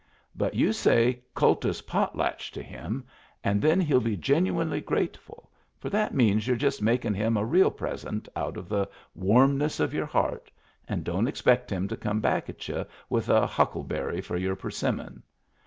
But you say '' Kultus potlatch " to him, and then he'll be genuinely grateful, for that means you're just makin' him a real present out of the warmness of your heart, and don't expect him to come back at y'u with a huckleberry for your persimmon.